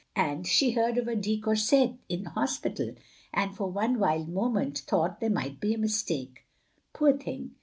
And — ^and she heard of a de Courset in hospital, and for one wild moment thought there might he a mistake " "Poor thing."